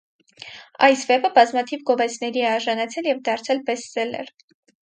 Այս վեպը բազմաթիվ գովեստների է արժանացել և դարձել բեսթսելլեր։